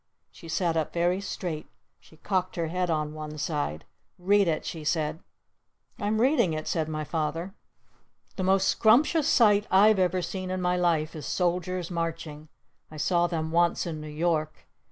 She sat up very straight. She cocked her head on one side. "Read it!" she said. "I'm reading it!" said my Father. The most scrumptious sight I've ever seen in my life is Soldiers Marching! I saw them once in New York!